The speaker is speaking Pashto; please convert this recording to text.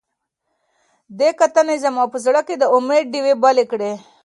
دې کتنې زما په زړه کې د امید ډیوې بلې کړې.